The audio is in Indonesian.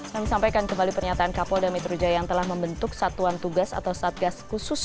kami sampaikan kembali pernyataan kapolda metro jaya yang telah membentuk satuan tugas atau satgas khusus